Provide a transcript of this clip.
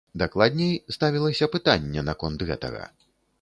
Дакладней, ставілася пытанне наконт гэтага.